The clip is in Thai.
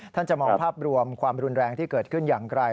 จะมองภาพรวมความรุนแรงที่เกิดขึ้นอย่างไกล